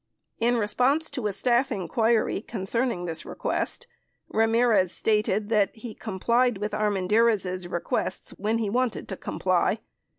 32 In response to a staff inquiry concerning this request, Ramirez stated that he complied with Armendariz' requests when he wanted to com ply.